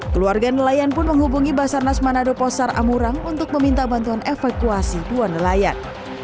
keluarga nelayan pun menghubungi basarnas manado posar amurang untuk meminta bantuan evakuasi dua nelayan